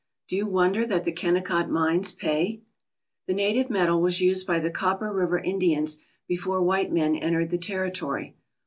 Do you wonder that the Kennecott mines pay? The native metal was used by the Copper River Indians before white men entered the territory.